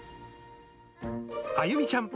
あゆみちゃん。